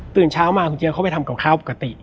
เช้ามาคุณเจี๊ยเข้าไปทำกับข้าวปกติ